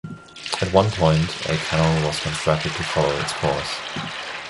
At one point a canal was constructed to follow its course.